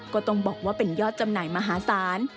ก็ต้องบอกว่าเป็นยอดจำหน่ายมหาศาล